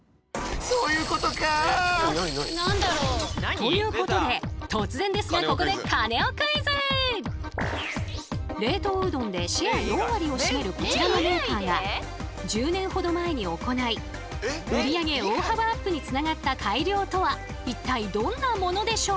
ということで突然ですがここで冷凍うどんでシェア４割を占めるこちらのメーカーが１０年ほど前に行い売り上げ大幅アップにつながった改良とは一体どんなものでしょう？